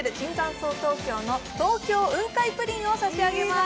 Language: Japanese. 東京の東京雲海プリンを差し上げます。